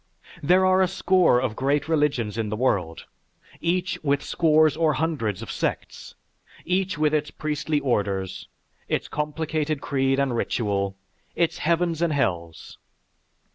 There are a score of great religions in the world, each with scores or hundreds of sects, each with its priestly orders, its complicated creed and ritual, its heavens and hells.